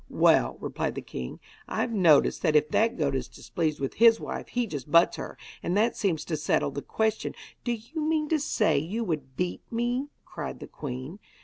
'Well,' replied the king, 'I notice that if that goat is displeased with his wife, he just butts her, and that seems to settle the question ' 'Do you mean to say you would beat me?' cried the queen.